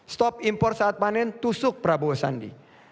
stop impor saat panen tusuk prabowo sandi